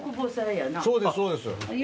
そうですそうです。